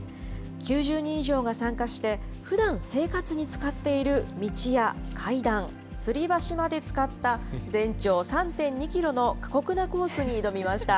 ９０人以上が参加して、ふだん生活に使っている道や階段、つり橋まで使った全長３．２キロの過酷なコースに挑みました。